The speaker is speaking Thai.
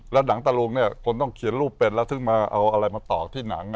แล้วหนังตะลุงเนี่ยคนต้องเขียนรูปเป็นแล้วถึงมาเอาอะไรมาตอกที่หนัง